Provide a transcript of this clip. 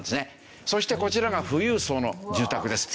そしてこちらが富裕層の住宅です。